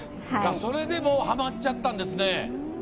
それではまっちゃったんですね。